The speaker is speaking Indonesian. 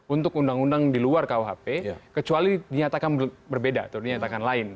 untuk undang undang di luar kuhp kecuali dinyatakan berbeda atau dinyatakan lain